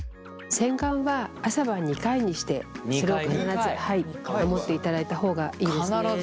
洗顔は朝晩２回にしてそれを必ず守っていただいた方がいいですね。